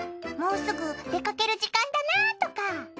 もうすぐ出かける時間だなとか。